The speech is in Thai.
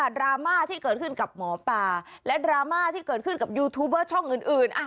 ดราม่าที่เกิดขึ้นกับหมอปลาและดราม่าที่เกิดขึ้นกับยูทูบเบอร์ช่องอื่น